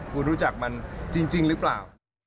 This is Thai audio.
คุณรู้จักมันจริงหรือเปล่า